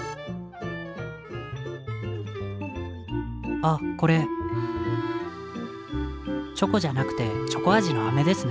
あこれチョコじゃなくてチョコ味のアメですね。